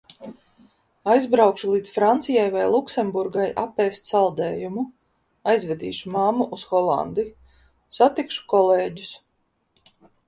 Aizbraukšu līdz Francijai vai Luksemburgai apēst saldējumu. Aizvedīšu mammu uz Holandi. Satikšu kolēģus.